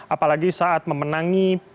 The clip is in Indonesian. apalagi saat memenangi